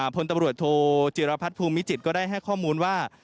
พลตำรวจโทจิรพัฒน์ภูมิจิตก็ได้ให้ข้อมูลว่า